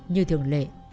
như thường lệ